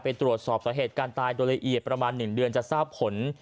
ไปตรวจสอบสาเหตุการตายโดยละเอียดประมาณ๑เดือนจะทราบผล